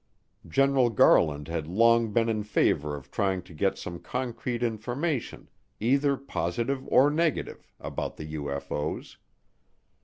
General Garland had long been in favor of trying to get some concrete information, either positive or negative, about the UFO's.